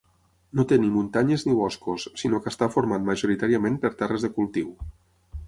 No té ni muntanyes ni boscos, sinó que està format majoritàriament per terres de cultiu.